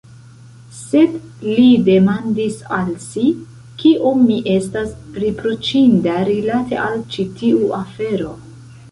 Sed, li demandis al si, kiom mi estas riproĉinda rilate al ĉi tiu afero?